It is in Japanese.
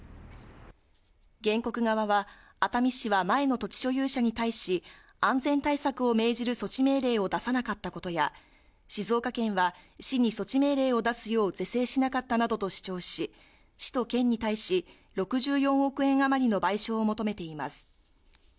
原告側は、熱海市は前の土地所有者に対し、安全対策を命じる措置命令を出さなかったことや、静岡県は市に措置命令を出すよう是正しなかったなどと主張し、市と県に対し、６４億円余りの賠償を求めています。